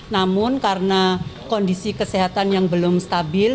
namun karena kondisi kesehatan yang belum stabil